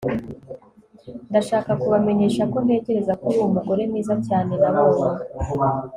Ndashaka kubamenyesha ko ntekereza ko uri umugore mwiza cyane nabonye